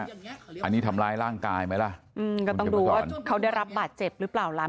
อันนี้ทำร้ายร่างกายไหมล่ะอืมก็ต้องดูว่าเขาได้รับบาดเจ็บหรือเปล่าล่ะ